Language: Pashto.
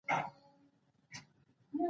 سلطان محمد عايل دوه لیکلي اثار لري.